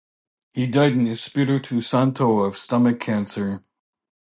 He died in Espiritu Santo of stomach cancer.